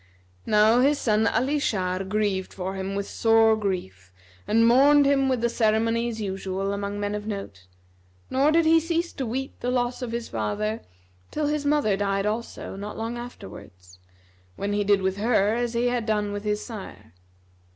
Now his son Ali Shar grieved for him with sore grief and mourned him with the ceremonies usual among men of note; nor did he cease to weep the loss of his father till his mother died also, not long afterwards, when he did with her as he had done with his sire.